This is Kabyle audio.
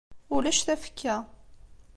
Ulac tafekka.